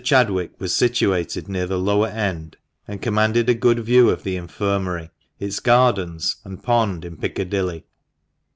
51 The house of Mr. Chadwick was situated near the lower end, and commanded a good view of the Infirmary, its gardens, and pond in Piccadilly.